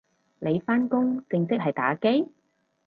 你返工正職係打機？